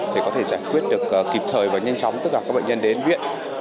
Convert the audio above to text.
để có thể giải quyết được kịp thời và nhanh chóng tất cả các bệnh nhân đến viện